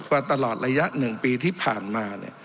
เพราะตลอดระยะหนึ่งปีที่ผ่านมา